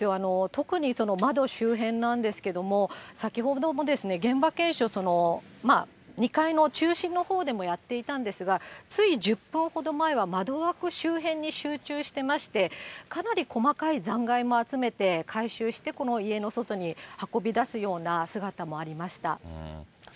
特に窓周辺なんですけども、先ほども現場検証、２階の中心のほうでもやっていたんですが、つい１０分ほど前までは窓枠周辺に集中してまして、かなり細かい残骸も集めて、回収して、この家の外に運び出すような姿もありました。